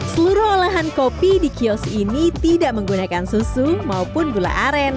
seluruh olahan kopi di kios ini tidak menggunakan susu maupun gula aren